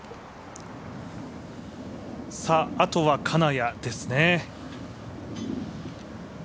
あとは金谷ですね。